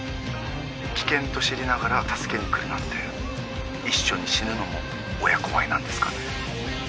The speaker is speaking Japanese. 危険と知りながら助けに来るなんて一緒に死ぬのも親子愛なんですかね？